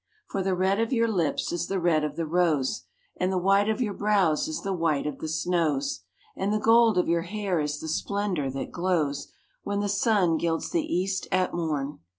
For the red of your lips is the red of the rose, And the white of your brows is the white of the snows, And the gold of your hair is the splendor that glows When the sun gilds the east at morn.